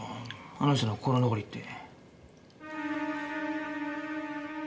あの人の心残りって。